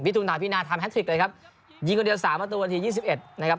วิทุณาภินาธรรมแฮททริกเลยครับยิงคนเดียว๓ประตูนาที๒๑นะครับ